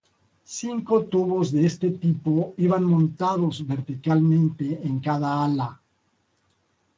Cinco tubos de este tipo iban montados verticalmente en cada ala.